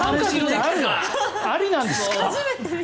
△ってありなんですか？